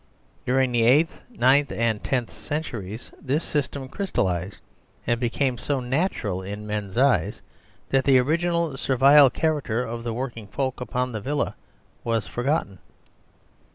> During the eighth, ninth and tenth centuries this system crystallised and became so natural in men's eyes that the original servile character of the working folk upon the Villa was forgotten.